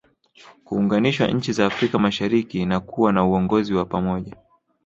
Kuunganisha nchi za Afrika mashariki na kuwa na uongozi wa pamoja